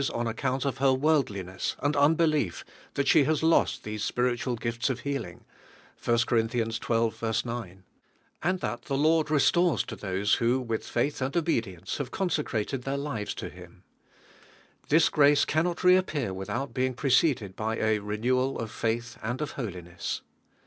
on account of her worldliness and unbe lief that she has lost these spiritual gifts of healing (I. Cor. xii. 9) and that the Lord restores to those who, with faith and obe dience, have consecrated their lives to Him. This grace cannot reappear with out being preceded by a renewal of faith and of holiness.